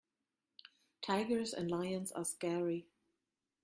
Tigers and lions are scary.